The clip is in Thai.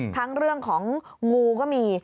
ทั้งเรื่องของงูก็มี